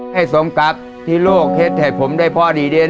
สมกับที่โลกเฮ็ดให้ผมได้พ่อดีเด่น